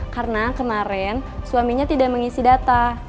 karena kemarin suaminya tidak mengisi data